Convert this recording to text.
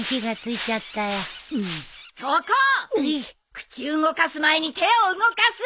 口動かす前に手を動かす！